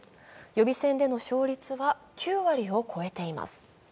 予備選での勝率は９割を超えています。